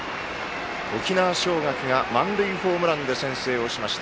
沖縄尚学が満塁ホームランで先制をしました。